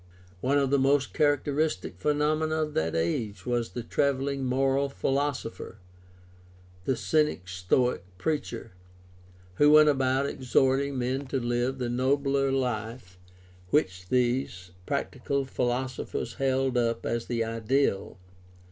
One of the most characteristic phenomena of that age was the traveling moral philosopher, the Cynic Stoic preacher, who went about exhorting men to live the nobler life which these practical philosophers held up as the ideal.